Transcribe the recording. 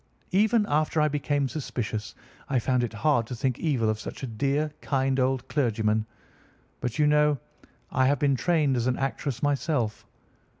Even after I became suspicious, I found it hard to think evil of such a dear, kind old clergyman. But, you know, I have been trained as an actress myself.